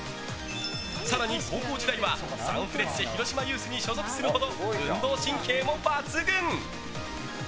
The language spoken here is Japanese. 更に、高校時代はサンフレッチェ広島ユースに所属するほど運動神経も抜群。